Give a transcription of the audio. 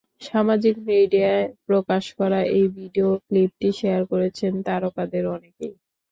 সামাজিক মিডিয়ায় প্রকাশ করা ওই ভিডিও ক্লিপটি শেয়ার করছেন তারকাদের অনেকেই।